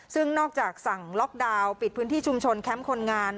ซึ่งนอกจากสั่งล็อกดาวน์ปิดพื้นที่ชุมชนแคมป์คนงาน